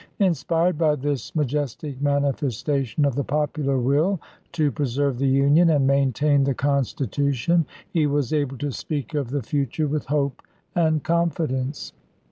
Inspired by this majestic manifestation of the popular will to preserve the Union and main tain the Constitution, he was able to speak of the future with hope and confidence.